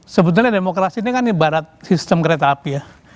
sebetulnya demokrasi ini kan ibarat sistem kereta api ya